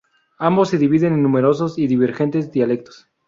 Ambos se dividen en numerosos y divergentes dialectos.